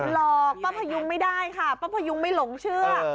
หลอกป้าพยุงไม่ได้ค่ะป้าพยุงไม่หลงเชื่อ